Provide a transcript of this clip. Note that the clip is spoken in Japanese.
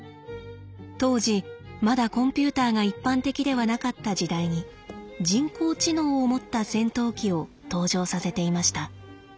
当時まだコンピューターが一般的ではなかった時代に人工知能を持った戦闘機を登場させていました。